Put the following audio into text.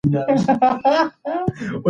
اوږدمهاله پلانونه د بریا راز دی.